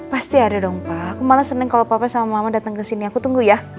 pasti ada dong pak aku malah seneng kalau papa sama mama datang ke sini aku tunggu ya